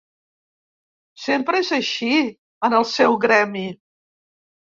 Sempre és així, en el seu gremi.